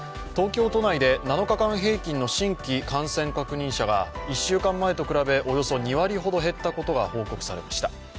東京都内で７日間平均の新規感染確認者が１週間前と比べおよそ２割ほど減ったことが報告されました。